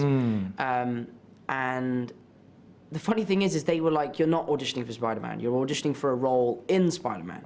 dan hal hal lucu adalah mereka seperti anda tidak mengadisi spider man anda mengadisi untuk peran di spider man